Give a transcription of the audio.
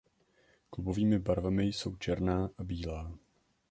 Klubovými barvami jsou černá a bílá.